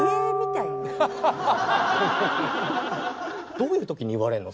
どういう時に言われるの？